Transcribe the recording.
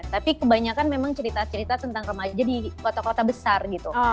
tapi kebanyakan memang cerita cerita tentang remaja di kota kota besar gitu